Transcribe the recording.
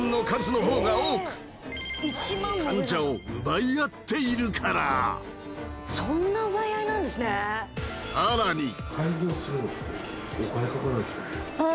患者を奪い合っているからさらにあ